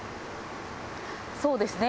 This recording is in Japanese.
そうですね。